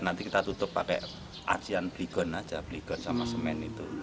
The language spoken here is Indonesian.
nanti kita tutup pakai acian dan semen